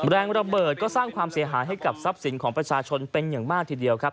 แรงระเบิดก็สร้างความเสียหายให้กับทรัพย์สินของประชาชนเป็นอย่างมากทีเดียวครับ